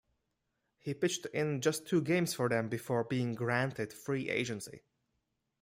He pitched in just two games for them before being granted free agency.